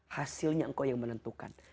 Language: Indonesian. hasilnya engkau yang menentukan